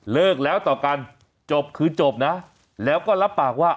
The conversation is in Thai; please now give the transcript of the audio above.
เลิกแล้วต่อกันจบคือจบนะแล้วก็รับปากว่า